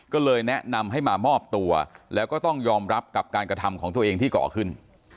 ก็เลยแนะนำให้มามอบตัวแล้วก็ต้องยอมรับกับการกระทำของตัวเองที่ก่อขึ้น